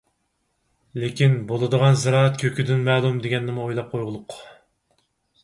لېكىن، بولىدىغان زىرائەت كۆكىدىن مەلۇم دېگەننىمۇ ئويلاپ قويغۇلۇق!